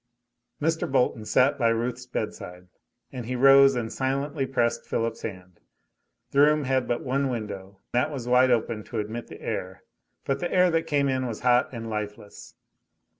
Mr. Bolton sat by Ruth's bedside, and he rose and silently pressed Philip's hand. The room had but one window; that was wide open to admit the air, but the air that came in was hot and lifeless.